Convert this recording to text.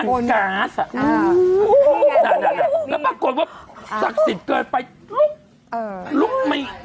แล้วปรากฏว่าสักษิตรเกินไปลุกเอ่อ